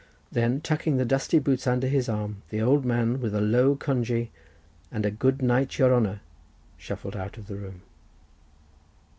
Then tucking the dusty boots under his arm, the old man, with a low congee, and a "Good night, your honour!" shuffled out of the room.